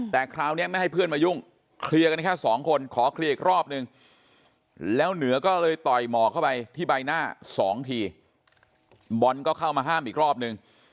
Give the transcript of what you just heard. แต่คราวนี้ไม่ให้เพื่อนมายุ่งเคลียร์กันแค่สองคนขอเคลียร์อีกรอบนึงแล้วเหนือก็เลยต่อยหมอกเข้าไปที่ใบหน้า๒ทีบอลก็เข้ามาห้ามอีกรอบนึง